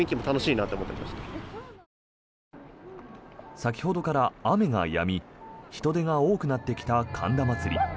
先ほどから雨がやみ人出が多くなってきた神田祭。